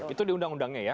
itu di undang undangnya ya